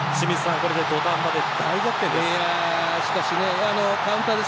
これで土壇場で大逆転です。